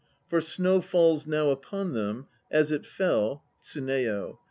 For snow falls now upon them, as it fell TSUNEYO.